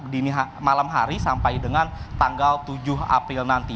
di malam hari sampai dengan tanggal tujuh april nanti